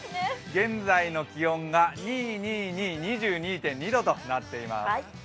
現在の気温が２２．２度となっています。